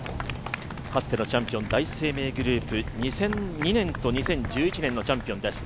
かつてのチャンピオンオン、第一生命グループ、２００２年と２０１１年のチャンピオンです。